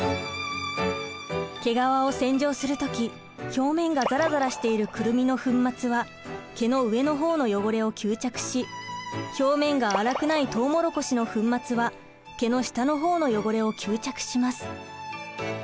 毛皮を洗浄する時表面がザラザラしているくるみの粉末は毛の上の方の汚れを吸着し表面が粗くないとうもろこしの粉末は毛の下の方の汚れを吸着します。